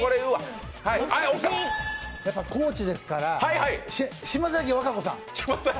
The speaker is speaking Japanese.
やっぱ高知ですから島崎和歌子さん。